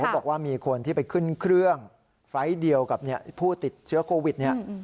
บอกว่ามีคนที่ไปขึ้นเครื่องไฟล์ทเดียวกับผู้ติดเชื้อโควิดเนี่ย